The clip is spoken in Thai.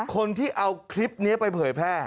คนที่เอาคลิปนี้ไปเผยแพร่